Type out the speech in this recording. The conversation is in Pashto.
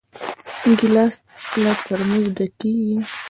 ګیلاس له ترموزه ډک کېږي.